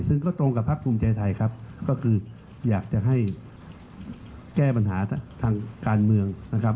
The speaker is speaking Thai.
ซึ่งก็ตรงกับพักภูมิใจไทยครับก็คืออยากจะให้แก้ปัญหาทางการเมืองนะครับ